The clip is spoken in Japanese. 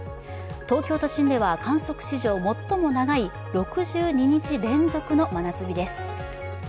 東京都心では観測史上最も長い６２日連続の真夏日です。